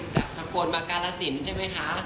จากสะกวนมาการสินใช่ไหมคะ